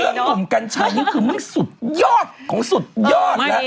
เรื่องหนุ่มกันชัยนี่คือเรื่องสุดยอดของสุดยอดละ